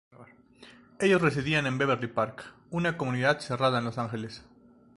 Ellos residían en Beverly Park, una comunidad cerrada en Los Ángeles.